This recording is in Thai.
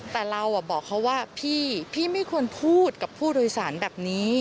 แต่เราบอกเขาว่าพี่พี่ไม่ควรพูดกับผู้โดยสารแบบนี้